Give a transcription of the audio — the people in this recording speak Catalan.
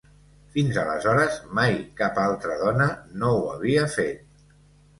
Fins aleshores mai cap altra dona no ho havia fet.